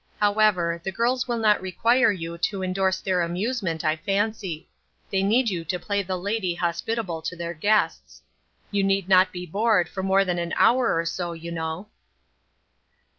However, the girls will not require you to indorse their amuse ment, I fancy ; they need you to play the lady hos pitable to their guests. You need not be bored for more than an hour or so, you know."